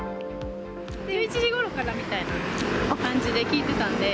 １１時ごろからみたいな感じで聞いてたんで。